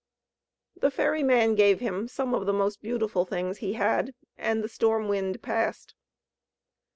'" The ferry man gave him some of the most beautiful things he had, and the Storm wind passed.